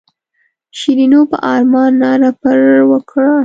شیرینو په ارمان ناره پر وکړه.